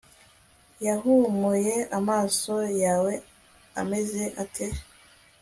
Yahumuye amaso yawe ameze ate